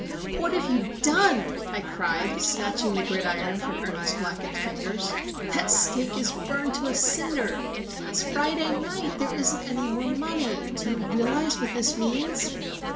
"What have you done?" I cried, snatching the gridiron from Ernie's blackened fingers. "That steak is burned to a cinder! It's Friday night. There isn't any more money. Do you realise what this means?"